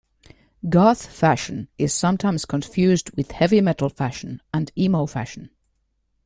Goth fashion is sometimes confused with heavy metal fashion and emo fashion.